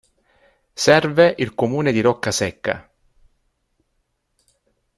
Serve il comune di Roccasecca.